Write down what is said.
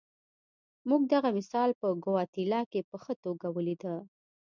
موږ دغه مثال په ګواتیلا کې په ښه توګه ولیده.